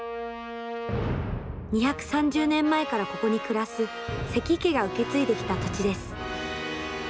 ２３０年前からここに暮らす関家が受け継いできた土地です。